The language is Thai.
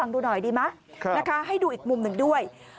ดูหน่อยดีไหมนะคะให้ดูอีกมุมหนึ่งด้วย